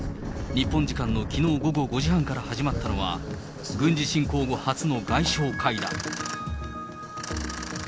日本時間のきのう午後５時半から始まったのは、軍事侵攻後初の外相会談。